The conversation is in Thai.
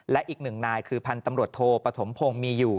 และอีกหนึ่งนายคือพันธ์ตำรวจโทปฐมพงศ์มีอยู่